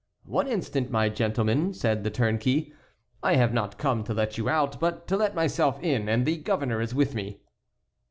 "One instant, my gentleman," said the turnkey, "I have not come to let you out, but to let myself in, and the governor is with me."